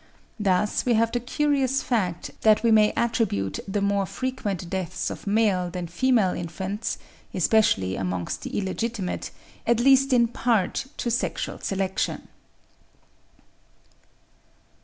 Thus we have the curious fact that we may attribute the more frequent deaths of male than female infants, especially amongst the illegitimate, at least in part to sexual selection.